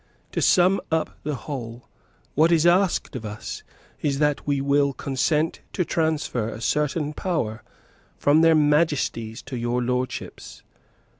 To sum up the whole, what is asked of us is that we will consent to transfer a certain power from their Majesties to your Lordships.